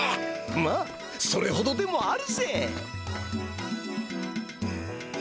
まあそれほどでもあるぜ！